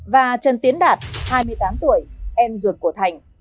và trần tiến đạt hai mươi tám tuổi em ruột của thành